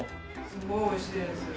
すごい美味しいです。